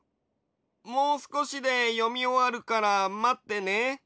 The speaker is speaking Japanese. もうすこしでよみおわるからまってね。